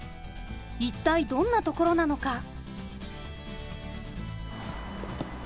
一体どんなところなのか。